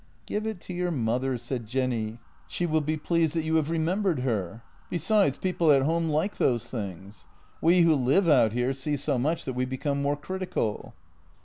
" Give it to your mother," said Jenny. " She will be pleased that you have remembered her. Besides, people at home like those things. We who live out here see so much that we be come more critical."